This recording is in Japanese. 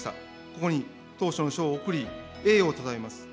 ここに頭書の賞を送り栄誉をたたえます。